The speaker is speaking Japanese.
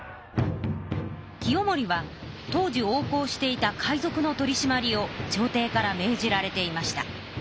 清盛は当時横行していた海ぞくの取りしまりをちょうていから命じられていました。